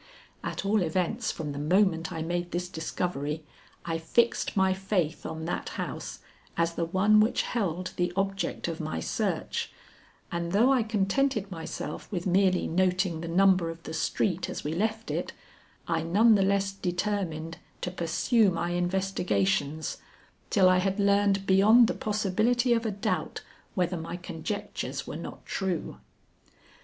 At all events, from the moment I made this discovery, I fixed my faith on that house as the one which held the object of my search, and though I contented myself with merely noting the number of the street as we left it, I none the less determined to pursue my investigations, till I had learned beyond the possibility of a doubt whether my conjectures were not true.